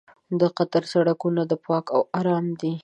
د قطر سړکونه پاک او ارام دي.